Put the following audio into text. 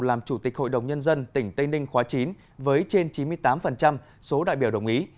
làm chủ tịch hội đồng nhân dân tỉnh tây ninh khóa chín với trên chín mươi tám số đại biểu đồng ý